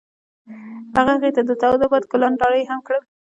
هغه هغې ته د تاوده باد ګلان ډالۍ هم کړل.